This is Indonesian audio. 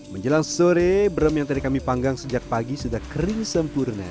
menjelang sore brem yang tadi kami panggang sejak pagi sudah kering sempurna